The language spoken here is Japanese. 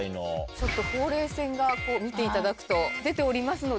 ちょっとほうれい線が見ていただくと出ておりますので。